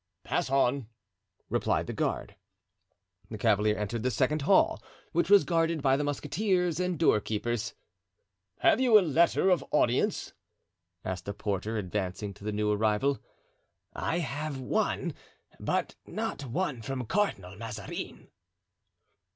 "Pass on," replied the guard. The cavalier entered the second hall, which was guarded by the musketeers and doorkeepers. "Have you a letter of audience?" asked a porter, advancing to the new arrival. "I have one, but not one from Cardinal Mazarin."